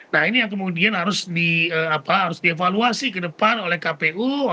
nah ini yang kemudian harus dievaluasi ke depan oleh kpu